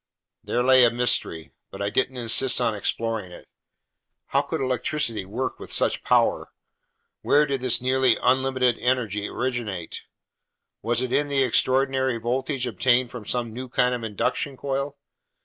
There lay a mystery, but I didn't insist on exploring it. How could electricity work with such power? Where did this nearly unlimited energy originate? Was it in the extraordinary voltage obtained from some new kind of induction coil?